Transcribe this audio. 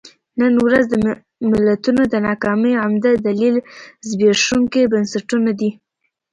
نن ورځ د ملتونو د ناکامۍ عمده دلیل زبېښونکي بنسټونه دي.